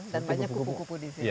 dan banyak kupu kupu di sini ya